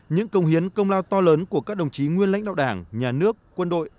những công hiến công lao to lớn của các đồng chí nguyên lãnh đạo đảng nhà nước quân đội